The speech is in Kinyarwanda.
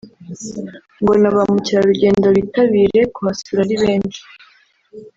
ngo na ba mukerarugendo bitabire kuhasura ari benshi